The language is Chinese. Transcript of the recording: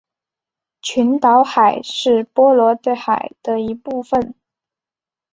群岛海是波罗的海的一部份。